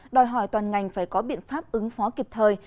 đòi hỏi toàn ngành phải có biện pháp ứng phó kịp thời